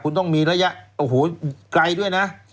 คุณต้องมีระยะโอ้โหไกลด้วยนะ